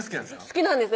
好きなんです